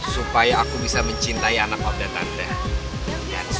sampai kak cinta bilang iya